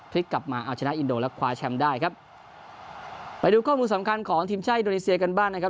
กลับมาเอาชนะอินโดและคว้าแชมป์ได้ครับไปดูข้อมูลสำคัญของทีมชาติอินโดนีเซียกันบ้างนะครับ